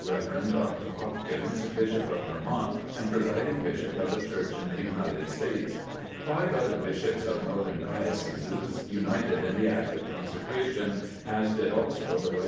Rev. Dr. Hopkins, Bishop of Vermont and Presiding Bishop of the Church in the United States. Five other Bishops of Northern Dioceses united in the act of Consecration, as did also the Rt.